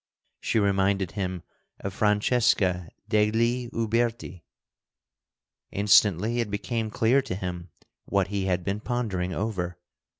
She reminded him of Francesca degli Uberti. Instantly it became clear to him what he had been pondering over.